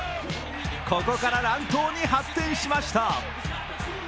ここから乱闘に発展しました。